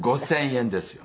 ５０００円ですよ。